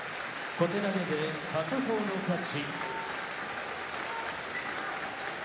小手投げで白鵬の勝ち」。